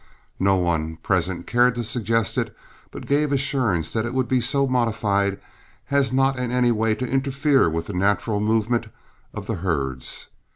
No one present cared to suggest it, but gave assurance that it would be so modified as not in any way to interfere with the natural movement of the herds.